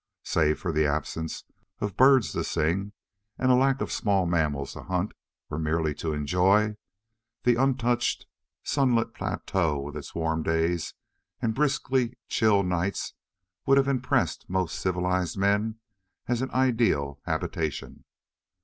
Save for the absence of birds to sing, and a lack of small mammals to hunt or merely to enjoy, the untouched, sunlit plateau with its warm days and briskly chill nights would have impressed most civilized men as an ideal habitation.